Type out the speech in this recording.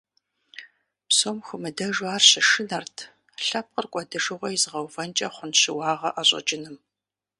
Псом хуэмыдэжу ар щышынэрт лъэпкъыр кӀуэдыжыгъуэ изыгъэувэнкӀэ хъун щыуагъэ ӀэщӀэкӀыным.